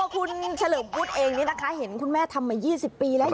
คุณเฉลิมวุฒิเองนี่นะคะเห็นคุณแม่ทำมา๒๐ปีแล้ว